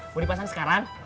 mau dipasang sekarang